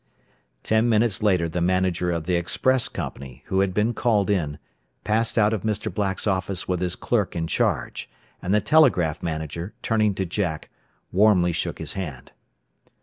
Ten minutes later the manager of the express company, who had been called in, passed out of Mr. Black's office with his clerk in charge, and the telegraph manager, turning to Jack, warmly shook his hand.